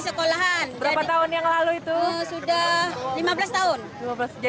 setelah lima belas tahun upacara ya